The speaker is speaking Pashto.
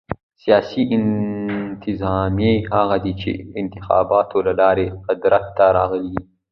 سیاسي انتظامیه هغه ده، چي انتخاباتو له لاري قدرت ته راغلي يي.